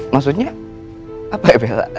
maksudnya apa ya bel